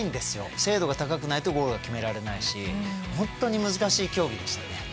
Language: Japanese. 精度が高くないとゴールは決められないしほんとに難しい競技でしたね。